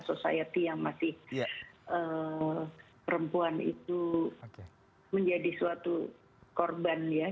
society yang masih perempuan itu menjadi suatu korban ya